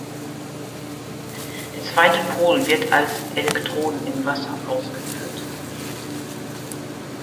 Der zweite Pol wird als Elektroden im Wasser ausgeführt.